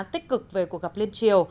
tích cực về cuộc gặp liên triều